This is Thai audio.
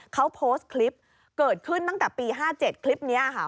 เขาโพสต์คลิปเกิดขึ้นตั้งแต่ปี๕๗คลิปนี้ค่ะ